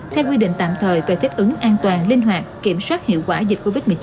theo quy định tạm thời về thích ứng an toàn linh hoạt kiểm soát hiệu quả dịch covid một mươi chín